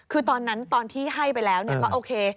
คือตอนนั้นตอนที่ให้ไปแล้วก็โอเค